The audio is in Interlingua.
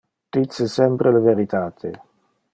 Dice sempre le veritate.